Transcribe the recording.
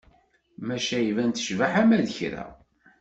Maca iban tecbeḥ ama d kra.